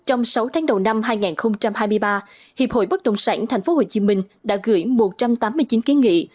trong sáu tháng đầu năm hai nghìn hai mươi ba hiệp hội bất đồng sản tp hcm đã gửi một trăm tám mươi chín kiến nghị